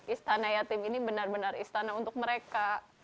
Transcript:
istana yatim ini benar benar istana untuk mereka